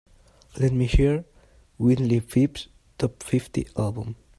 Let me hear Wintley Phipps top fifty album.